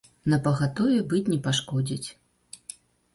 Напагатове быць не пашкодзіць.